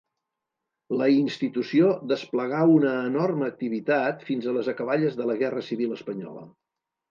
La institució desplegà una enorme activitat fins a les acaballes de la Guerra Civil espanyola.